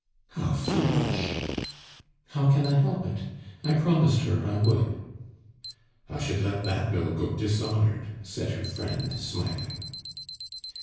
"How foolish!" "How can I help it? I promised her I would." "I should let that bill go dishonored," said her friend, smiling.